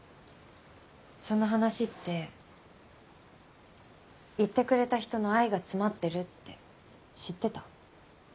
その話って言ってくれた人の愛が詰まってるって知ってた？